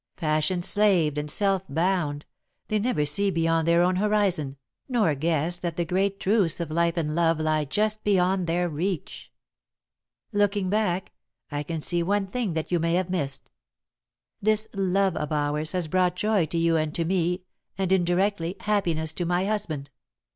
Passion slaved and self bound, they never see beyond their own horizon, nor guess that the great truths of life and love lie just beyond their reach. [Sidenote: A Plea for Rosemary] "Looking back, I can see one thing that you may have missed. This love of ours has brought joy to you and to me, and, indirectly, happiness to my husband.